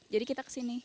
jadi kita ke sini